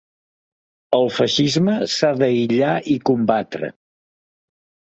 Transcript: El feixisme s’ha d'aïllar i combatre.